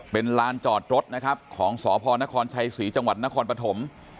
เป็นลานจอดรถนะครับของสพนครชัยศรีจังหวัดนครปฐม